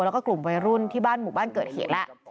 แล้วก็กลุ่มวัยรุ่นที่บ้านหมู่บ้านเกิดเหตุแล้ว